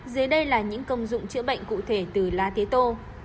dưới đây là những công dụng chữa bệnh cụ thể từ lá tế tô